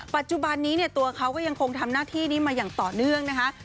ปัจจุบันนี้เนี่ยตัวเขาก็ยังคงทำหน้าที่นี้มาอย่างต่อเนื่องนะคะ